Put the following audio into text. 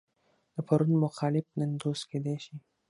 د پرون مخالف نن دوست کېدای شي.